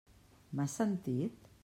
M'has sentit?